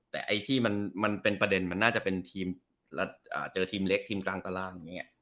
แต่ไอ้ที่มันเป็นประเด็นมันน่าจะเป็นทีมเจอทีมเล็กทีมกลางตารางอย่างนี้